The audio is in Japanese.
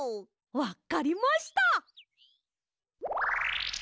わっかりました！